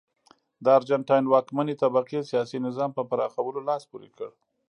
د ارجنټاین واکمنې طبقې سیاسي نظام په پراخولو لاس پورې کړ.